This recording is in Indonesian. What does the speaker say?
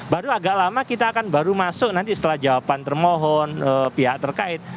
baru agak lama kita akan baru masuk nanti setelah jawaban termohon pihak terkait